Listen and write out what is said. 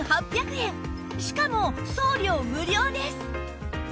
しかも送料無料です